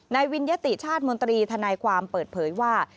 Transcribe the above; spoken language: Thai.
วิญญติชาติมนตรีทนายความเปิดเผยว่า